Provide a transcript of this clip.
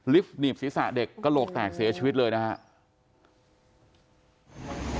หนีบศีรษะเด็กกระโหลกแตกเสียชีวิตเลยนะครับ